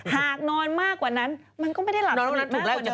หากนอนมากกว่านั้นมันก็ไม่ได้หลับเท่านั้น